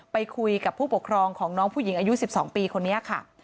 ไปคุยกับผู้ปกครองของน้องผู้หญิงอายุ๑๒ปีคนนี้ค่ะ